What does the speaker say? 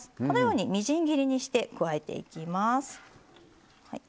このようにみじん切りにして加えていきます。